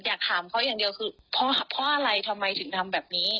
อยากถามเขาอย่างเดียวคือเพราะอะไรทำไมถึงทำแบบนี้